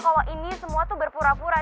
kalau ini semua tuh berpura pura